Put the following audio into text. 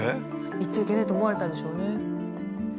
行っちゃいけないと思われたんでしょうね。